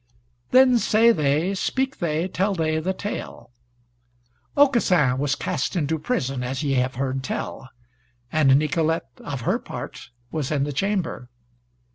Then say they, speak they, tell they the Tale: Aucassin was cast into prison as ye have heard tell, and Nicolete, of her part, was in the chamber.